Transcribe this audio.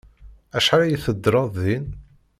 Acḥal ay teddreḍ din?